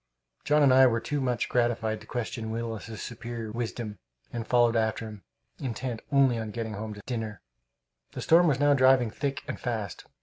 John and I were too much gratified to question Willis's superior wisdom and followed after him, intent only on getting home to dinner. The storm was now driving thick and fast.